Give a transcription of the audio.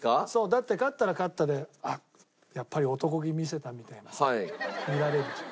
だって勝ったら勝ったであっやっぱり男気見せたみたいなさ見られるじゃん。